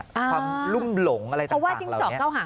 ความรุ่มหลงอะไรต่างเพราะว่าจิ้งจอกเข้าหาง